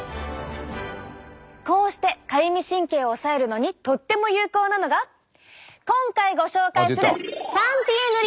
こうしてかゆみ神経を抑えるのにとっても有効なのが今回ご紹介する３Ｔ塗り！